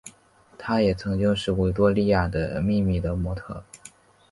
她也曾经是维多利亚的秘密的模特儿。